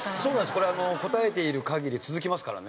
これあの答えている限り続きますからね。